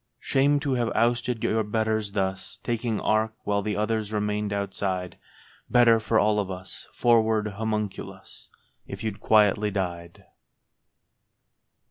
Shame to have ousted your betters thus, Taking ark while the others remained outside ! Better for all of us, froward Homunculus, If you'd quietly died